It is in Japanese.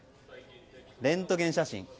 レントゲン写真。